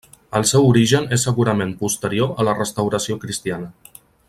El seu origen és segurament posterior a la restauració cristiana.